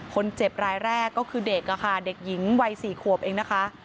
คนเจ็บรายแรกก็คือเด็กค่ะเด็กหญิงวัย๔ขวบเองนะคะ